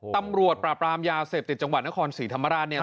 ตำรวจปราบรามยาเสพติดจังหวัดนครศรีธรรมราชเนี่ย